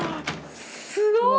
すごい！